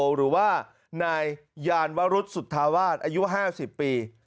หรือว่านายยานวรุษสุธาวาสอายุ๕๐ปี